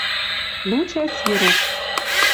Лу чӓс ирок.